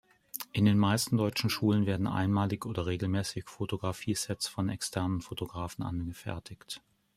In den meisten deutschen Schulen werden einmalig oder regelmäßig Fotografie-Sets von externen Fotografen angefertigt.